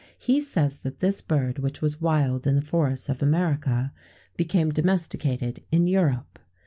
He says that this bird, which was wild in the forests of America, became domesticated in Europe.